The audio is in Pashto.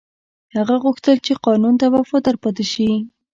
هغه غوښتل چې قانون ته وفادار پاتې شي.